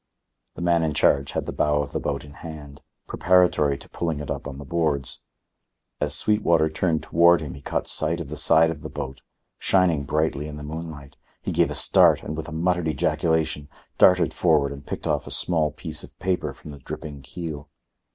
The man in charge had the bow of the boat in hand, preparatory to pulling it up on the boards. As Sweetwater turned toward him he caught sight of the side of the boat, shining brightly in the moonlight. He gave a start and, with a muttered ejaculation, darted forward and picked off a small piece of paper from the dripping keel.